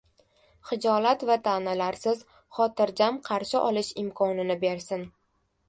xijolat va ta’nalarsiz, xotirjam qarshi olish imkonini bersin.